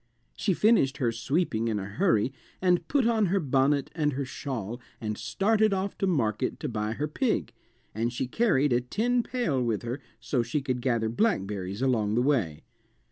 She finished her sweeping in a hurry and put on her bonnet and her shawl and started off to market to buy her pig, and she carried a tin pail with her so she could gather blackberries along the way.